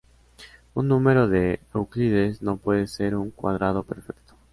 Un número de Euclides no puede ser un cuadrado perfecto.